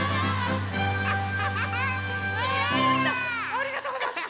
ありがとうございます！